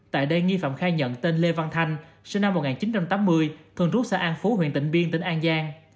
tại đây nghi phạm khai nhận tên lê văn thanh sinh năm một nghìn chín trăm tám mươi thường trú xã an phú huyện tịnh biên tỉnh an giang